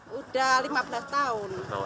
sudah lima belas tahun